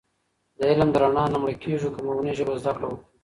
د علم د رڼا نه مړکېږو که په مورنۍ ژبه زده کړه وکړو.